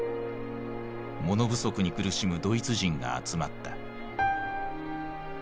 物不足に苦しむドイツ人が集まった。